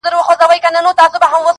بدرګه را سره ستوري وړمهیاره